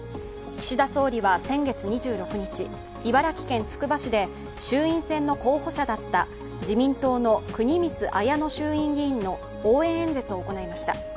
岸田総理は先月２６日茨城県つくば市で衆院選の候補者だった自民党の国光文乃衆院議員の応援演説を行いました。